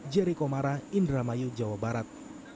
jerry komara indramayu jawa barat